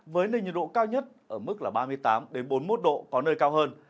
với nền nhiệt độ cao nhất ở mức ba mươi tám bốn mươi một độ có nơi cao hơn